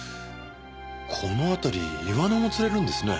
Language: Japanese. この辺りイワナも釣れるんですね。